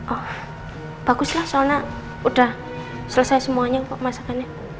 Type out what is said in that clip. oh baguslah soalnya udah selesai semuanya masakannya